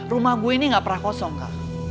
rumah gue ini gak pernah kosong kak